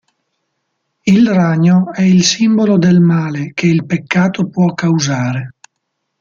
Il ragno è il simbolo del male che il peccato può causare.